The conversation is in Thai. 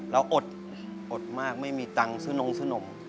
แล้วอดมากไม่มีตังสนม